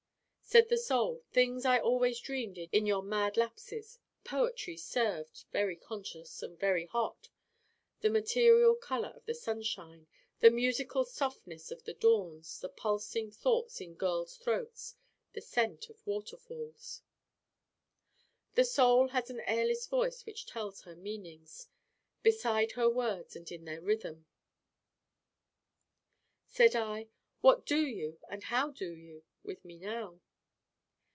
Said the Soul: 'Things I always dreamed in your mad lapses poetry served very conscious and very hot: the material Color of the Sunshine: the musical Softness of the Dawns: the pulsing Thoughts in Girls' Throats: the Scent of Water Falls.' The Soul has an airless voice which tells her meanings, beside her words and in their rhythm. Said I: 'What do you, and how do you, with me now?